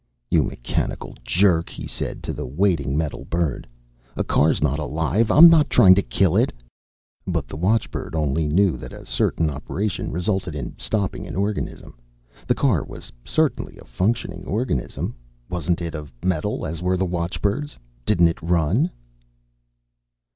"You mechanical jerk," he said to the waiting metal bird. "A car's not alive. I'm not trying to kill it." But the watchbird only knew that a certain operation resulted in stopping an organism. The car was certainly a functioning organism. Wasn't it of metal, as were the watchbirds? Didn't it run?